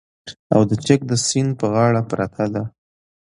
او د چک د سیند په غاړه پرته ده